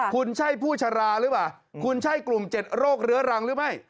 คุณใช่ผู้ชะลาหรือเปล่าคุณใช่กลุ่ม๗โรคเรื้อรังหรือไม่